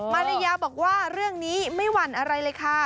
มาริยาบอกว่าเรื่องนี้ไม่หวั่นอะไรเลยค่ะ